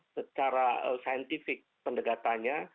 secara saintifik pendekatannya